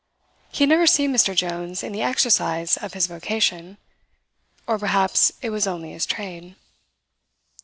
He had never seen Mr. Jones in the exercise of his vocation or perhaps it was only his trade.